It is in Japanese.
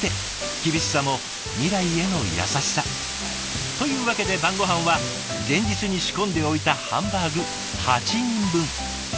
厳しさも未来への優しさ。というわけで晩ごはんは前日に仕込んでおいたハンバーグ８人分。